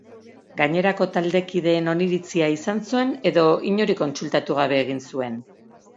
Gainerako taldekideen oniritizia izan zuen edo inori kontsultatu gabe egin zuen?